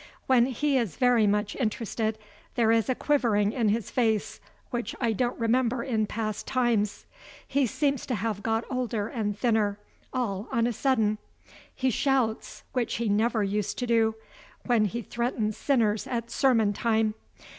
When he is very much interested, there is a quivering in his face which I don't remember in past times. He seems to have got older and thinner, all on a sudden. He shouts (which he never used to do) when he threatens sinners at sermon time.